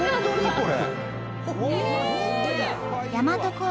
これ。